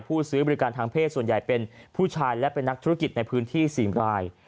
ซื้อบริการทางเพศส่วนใหญ่เป็นผู้ชายและเป็นนักธุรกิจในพื้นที่๔ราย